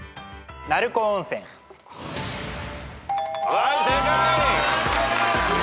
はい正解。